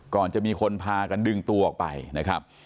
ก่อนจะมีคนพากันดึงตัวออกไปนะครับ